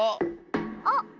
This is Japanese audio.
あっ。